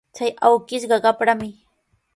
Chay awkishqa qaprami.